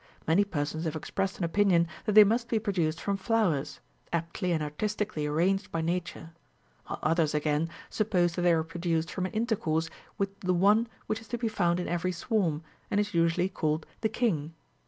Many persons have expressed an opinion that they must be produced from flowers, aptly and artistically arranged by Nature ; while others, again, suppose that they are produced from an intercourse with the one which is to be found in every swarm, and is. usually called the king.